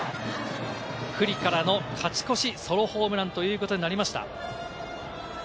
九里からの勝ち越しソロホームランということになりました。